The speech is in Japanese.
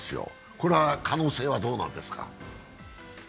これは可能性はどうなんですか？